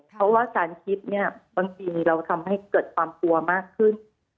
เพราะว่าการคิดเนี่ยบางทีเราทำให้เกิดความกลัวมากขึ้น